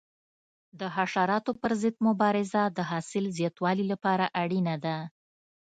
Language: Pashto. د حشراتو پر ضد مبارزه د حاصل زیاتوالي لپاره اړینه ده.